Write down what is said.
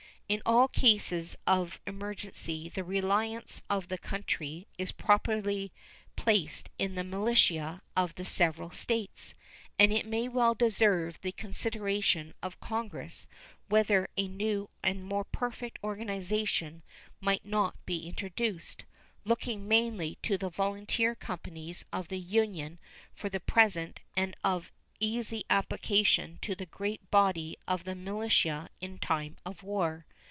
In all cases of emergency the reliance of the country is properly placed in the militia of the several States, and it may well deserve the consideration of Congress whether a new and more perfect organization might not be introduced, looking mainly to the volunteer companies of the Union for the present and of easy application to the great body of the militia in time of war.